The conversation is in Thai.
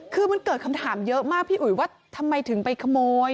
คือมันเกิดคำถามเยอะมากพี่อุ๋ยว่าทำไมถึงไปขโมย